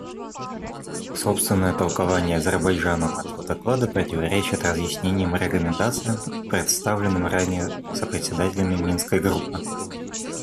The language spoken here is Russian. Собственное толкование Азербайджаном этого доклада противоречит разъяснениям и рекомендациям, представленным ранее сопредседателями Минской группы.